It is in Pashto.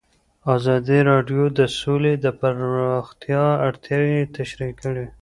ازادي راډیو د سوله د پراختیا اړتیاوې تشریح کړي.